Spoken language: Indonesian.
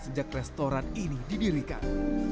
sejak restoran ini didirikan